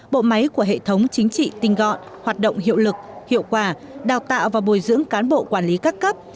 bộ máy của hệ thống chính trị tinh gọn hoạt động hiệu lực hiệu quả đào tạo và bồi dưỡng cán bộ quản lý các cấp